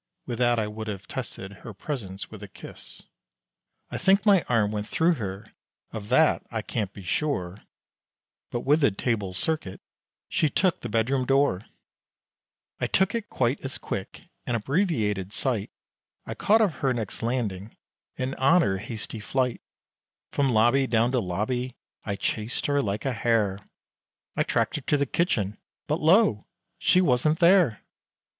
With that I would have tested her presence with a kiss! I think my arm went thro' her, of that I can't be sure, But with the table circuit, she took the bedroom door, I took it quite as quick, and abreviated sight, I caught of her next landing, and on her hasty flight, From lobby down to lobby I chased her like a hare, I tracked her to the kitchen, but lo! she wasn't there!